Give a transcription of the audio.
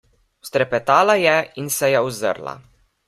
Vztrepetala je in se je ozrla.